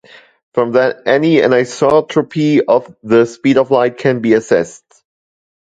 From that, any anisotropy of the speed of light can be assessed.